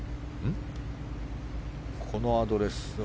このアドレスは。